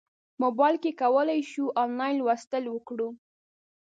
موبایل کې کولی شو انلاین لوستل وکړو.